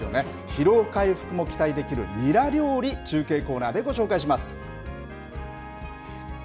疲労回復も期待できるニラ料理、中継コーナーでご紹介します。